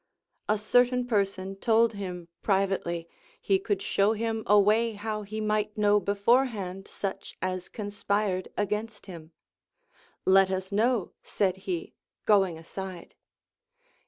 A certain person told him privately, he could show him. a way how he might know beforehand such as conspired against him. Let ns know, said he, going aside.